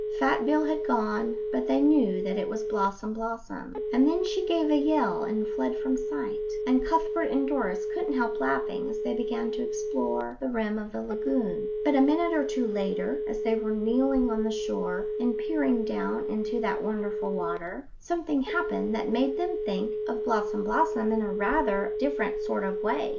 Fat Bill had gone, but they knew that it was Blossom blossom, and then she gave a yell and fled from sight; and Cuthbert and Doris couldn't help laughing as they began to explore the rim of the lagoon. But a minute or two later, as they were kneeling on the shore and peering down into that wonderful water, something happened that made them think of Blossom blossom in rather a different sort of way.